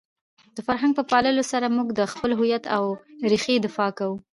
د فرهنګ په پاللو سره موږ د خپل هویت او رېښې دفاع کوو.